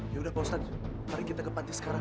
yaudah bang ustad mari kita ke panti sekarang